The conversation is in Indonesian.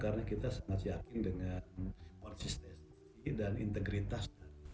karena kita sangat yakin dengan konsisten dan integritas